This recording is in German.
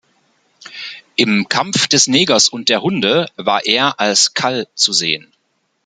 Im "Kampf des Negers und der Hunde" war er als Cal zu sehen.